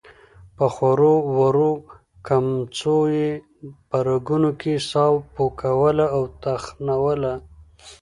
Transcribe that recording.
په خورو ورو کمڅو يې په رګونو کې ساه پوکوله او تخنوله.